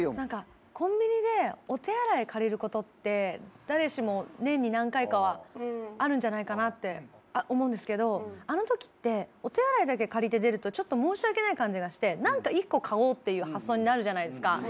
コンビニでお手洗い借りることって誰しも年に何回かはあるんじゃないかなって思うんですけどあのときってお手洗いだけ借りて出るとちょっと申し訳ない感じがしてなんか一個買おうっていう発想になるじゃないですか。